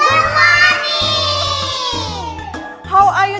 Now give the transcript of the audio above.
bagaimana hari ini